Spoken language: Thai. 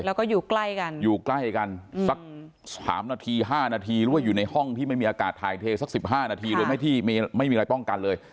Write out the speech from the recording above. แล้วก็อยู่ใกล้กันอยู่ใกล้กันสัก๓นาที๕นาทีหรือว่าอยู่ในห้องที่ไม่มีอากาศถ่ายเทสัก๑๕นาทีโดยที่ไม่มีอะไรป้องกันเลย